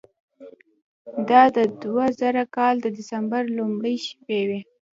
دا د دوه زره کال د دسمبر لومړۍ شپې وې.